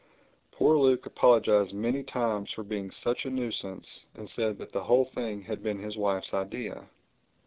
Poor Luke apologized many times for being such a nuisance and said that the whole thing had been his wife's idea.